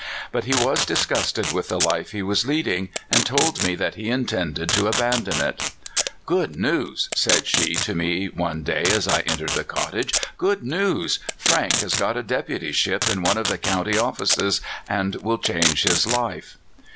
But he was disgusted with the life he was leading, and told me that he intended to abandon it. " Good news !" said she to me one day as I en tered the cottage. "Good news! Frank has got a deputyship in one of the county offices, and will change his life."